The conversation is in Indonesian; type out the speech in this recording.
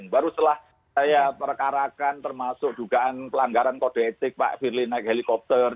baru setelah saya perkarakan termasuk dugaan pelanggaran kode etik pak firly naik helikopter